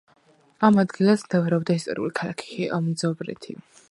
ამ ადგილას მდებარეობდა ისტორიული ქალაქი მძოვრეთი.